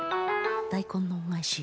大根の恩返し